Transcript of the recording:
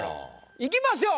いきましょう。